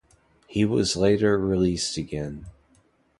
He was later released again.